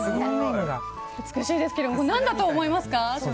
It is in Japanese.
美しいですけど何だと思いますか？